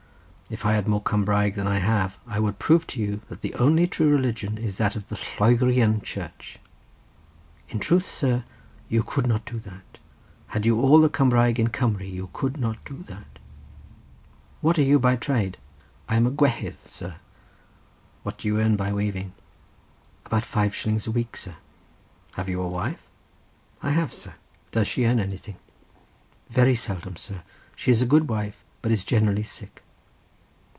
If I had more Cumraeg than I have, I would prove to you that the only true religion is that of the Lloegrian Church." "In truth, sir, you could not do that; had you all the Cumraeg in Cumru you could not do that." "What are you by trade?" "I am a gwehydd, sir." "What do you earn by weaving?" "About five shillings a week, sir." "Have you a wife?" "I have, sir." "Does she earn anything?" "Very seldom, sir; she is a good wife, but is generally sick."